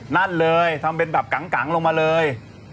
นั่นเลยกางกางลงมาเลย